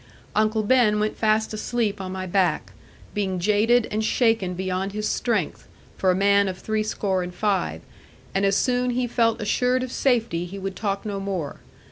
Uncle Ben went fast asleep on my back, being jaded and shaken beyond his strength, for a man of three score and five; and as soon he felt assured of safety he would talk no more.